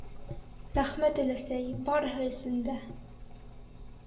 Рәхмәт, өләсәй, барыһы өсөн дә!